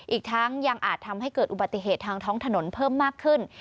อีกทั้งยังอาจทำให้เกิดอุบัติเหตุทางท้องถนนเพิ่มมากขึ้น